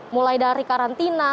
mulai dari karantina